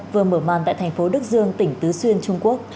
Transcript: vừa mở màn tại thành phố đức dương tỉnh tứ xuyên trung quốc